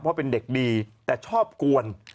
เพราะเป็นเด็กดีแต่ชอบกวน